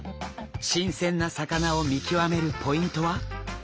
新鮮な魚を見極めるポイントは。